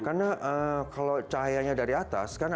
karena kalau cahayanya dari atas kan ada